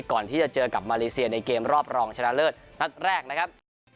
ก่อนที่จะเจอกับมาเลเซียในเกมรอบรองชนะเลิศนัดแรกนะครับ